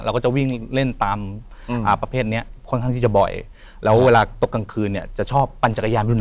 เราก็จะวิ่งเล่นตามประเภทนี้ค่อนข้างที่จะบ่อย